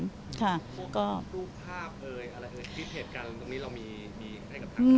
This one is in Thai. รูปภาพอะไรอื่น